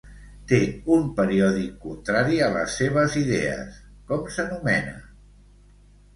Té un periòdic contrari a les seves idees, com s'anomena?